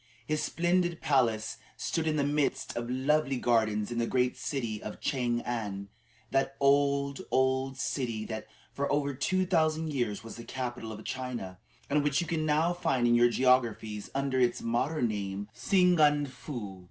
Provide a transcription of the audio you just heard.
His splendid palace stood in the midst of lovely gardens in the great city of Chang an, that old, old city that for over two thousand years was the capital of China, and which you can now find in your geographies under its modern name of Singan foo.